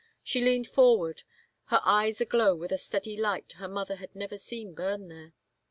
She leaned forward, her eyes aglow with a steady light her mother had never seen bum there.